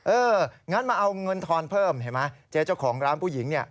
งั้นมาเอาเงินทอนเพิ่มเห็นไหมเจ๊เจ้าของร้านผู้หญิงเนี่ย